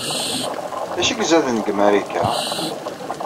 D acu ay izaden deg Marika?